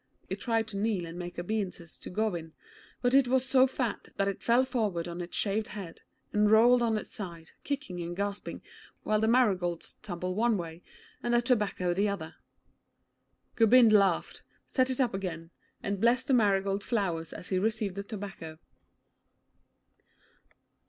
It tried to kneel and make obeisance to Gobind, but it was so fat that it fell forward on its shaven head, and rolled on its side, kicking and gasping, while the marigolds tumbled one way and the tobacco the other. Gobind laughed, set it up again, and blessed the marigold flowers as he received the tobacco.